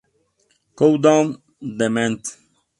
Countdown" de Mnet.